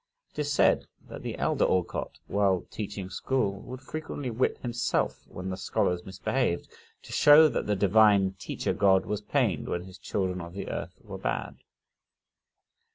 It is said that the elder Alcott, while teaching school, would frequently whip himself when the scholars misbehaved, to show that the Divine Teacher God was pained when his children of the earth were bad.